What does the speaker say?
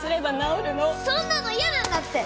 そんなの嫌なんだって！